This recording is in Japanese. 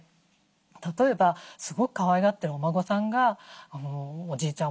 例えばすごくかわいがってるお孫さんが「おじいちゃん